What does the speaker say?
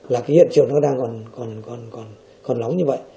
là hiện trường nó đang còn còn còn còn nóng như vậy